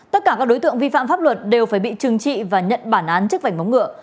tất cả các đối tượng vi phạm pháp luật đều phải bị trừng trị và nhận bản án trước vảnh móng ngựa